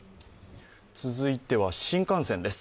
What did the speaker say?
続いては新幹線です。